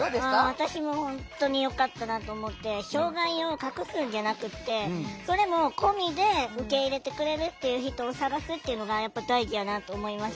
私も本当によかったなと思って障害を隠すんじゃなくてそれも込みで受け入れてくれるという人を探すというのが大事やと思います。